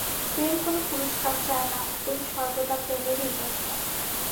প্রেম কোন পুরস্কার চায় না, প্রেম সর্বদা প্রেমেরই জন্য।